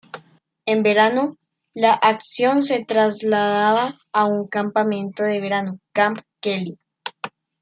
En verano, la acción se trasladaba a un campamento de verano, Kamp Kelly.